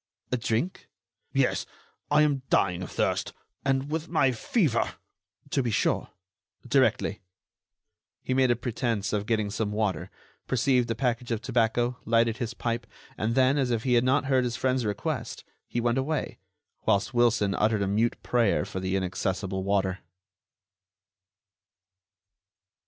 "A drink?" "Yes, I am dying of thirst; and with my fever——" "To be sure—directly——" He made a pretense of getting some water, perceived a package of tobacco, lighted his pipe, and then, as if he had not heard his friend's request, he went away, whilst Wilson uttered a mute prayer for the inaccessible water.